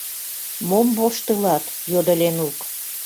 — Мом воштылат? — йодо Ленук.